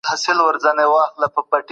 د بهرنیو مرستو شفافیت څنګه ساتل کېږي؟